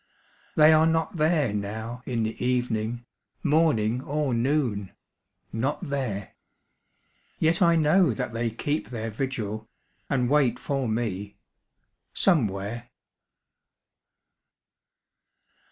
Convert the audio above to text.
They are not there now in the evening Morning or noon not there; Yet I know that they keep their vigil, And wait for me Somewhere.